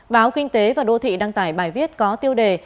báo kinh tế và đô thị đăng tải bài viết có tiêu đề